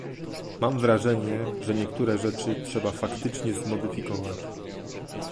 Mam wrażenie, że niektóre rzeczy trzeba faktycznie zmodyfikować